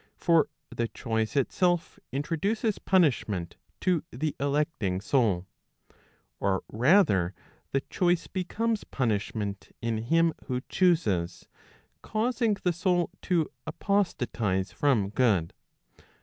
For the choice itself introduces punishment to the electing soul. Or rather, the choice becomes punishment in him who chooses, causing the soul to apostatize from good.